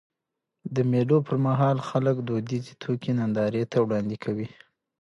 د مېلو پر مهال خلک دودیزي توکي نندارې ته وړاندي کوي.